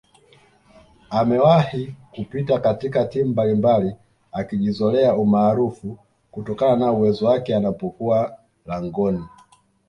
amewahi kupita katika timu mbalimbali akijizoelea umaarufu kutokana na uwezowake anapokuwa langoni